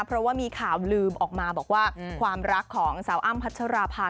เพราะว่ามีข่าวลืมออกมาบอกว่าความรักของสาวอ้ำพัชราภา